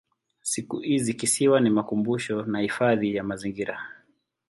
Siku hizi kisiwa ni makumbusho na hifadhi ya mazingira.